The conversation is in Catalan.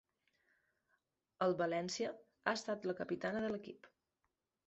Al València ha estat la capitana de l'equip.